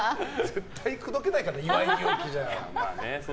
絶対口説けないからな岩井勇気じゃ。